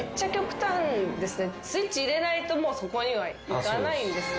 スイッチ入れないとそこにはいかないんですね。